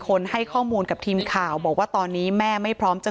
ให้ข้อมูลกับทีมข่าวบอกว่าตอนนี้แม่ไม่พร้อมจะ